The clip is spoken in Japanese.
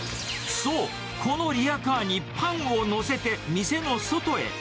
そう、このリヤカーにパンを載せて、店の外へ。